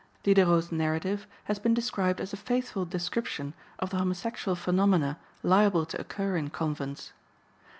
Diderot's narrative has been described as a faithful description of the homosexual phenomena liable to occur in convents.